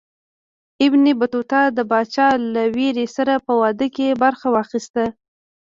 ابن بطوطه د پاچا له ورېرې سره په واده کې برخه واخیستله.